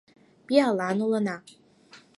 Пиалан улына.